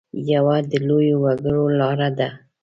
یوه د لویو وګړو لاره ده.